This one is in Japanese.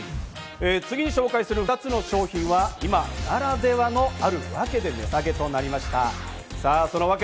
次に紹介する２つの商品は、今ならではのあるワケで値下げとなりました。